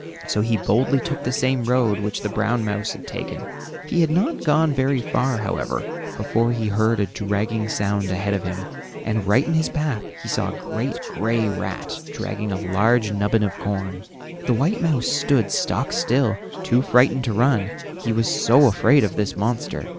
So he boldly took the same road which the brown mouse had taken. He had not gone very far, however, before he heard a dragging sound ahead of him, and right in his path he saw a great gray rat dragging a large nubbin of corn. The white mouse stood stock still, too frightened to run; he was so afraid of this monster.